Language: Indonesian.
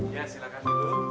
ya silakan duduk